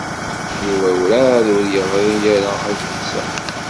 Yuba werɛad ur yeɣri ara adlis-a.